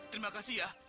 terima kasih ya